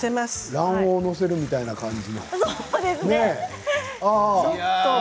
卵黄を載せるみたいな感じ。